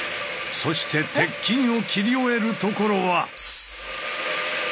そして鉄筋を切り終えるところは。